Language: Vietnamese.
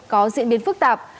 có diễn biến phức tạp